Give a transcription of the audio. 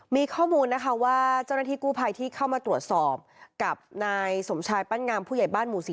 มีข้อมูลนะคะว่าเจ้าหน้าที่กู้ภัยที่เข้ามาตรวจสอบกับนายสมชายปั้นงามผู้ใหญ่บ้านหมู่๔